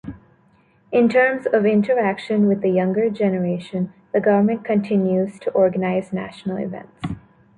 In terms of interaction with the younger generation, the government continues to organize national events.